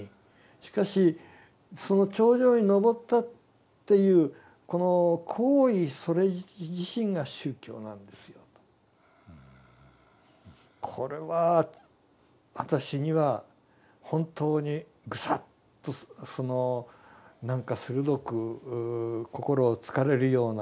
しかしその頂上に登ったっていうこの行為それ自身が宗教なんですよ」と。これは私には本当にグサッとそのなんか鋭くこころを突かれるような言葉でした。